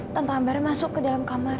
tante amber masuk ke dalam kamar